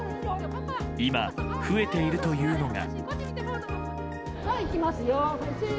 今、増えているというのが。